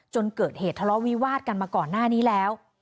เกิดเหตุทะเลาะวิวาดกันมาก่อนหน้านี้แล้ว